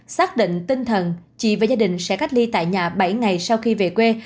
xác định tinh thần chị và gia đình sẽ cách ly tại nhà bảy ngày sau khi về quê